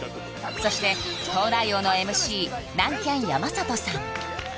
そして「東大王」のＭＣ南キャン・山里さん